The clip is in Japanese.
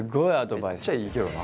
めっちゃいいけどな。